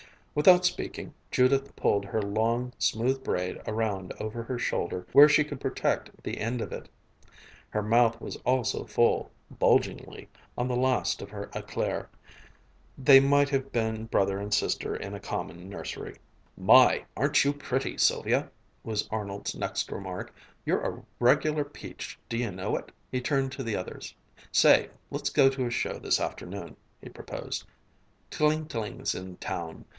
Without speaking, Judith pulled her long, smooth braid around over her shoulder where she could protect the end of it. Her mouth was also full, bulgingly, of the last of her éclair. They might have been brother and sister in a common nursery. "My! Aren't you pretty, Sylvia!" was Arnold's next remark. "You're a regular peach; do you know it?" He turned to the others: "Say, let's go to a show this afternoon," he proposed. "Tling Tling's in town.